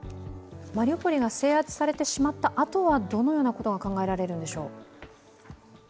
マリウポリが制圧されてしまったあとは、どのようなことが考えられるんでしょう？